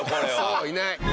そういない。